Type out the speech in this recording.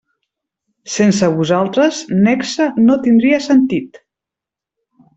Sense vosaltres Nexe no tindria sentit.